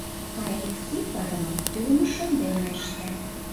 А Элексей парымым тӱлымӧ шот дене ышта.